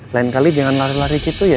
lain kali jangan lari lari gitu ya